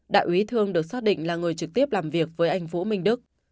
đại úy thương được xác định là người trực tiếp làm việc với anh vũ minh đức